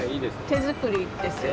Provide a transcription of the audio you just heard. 手づくりですよ。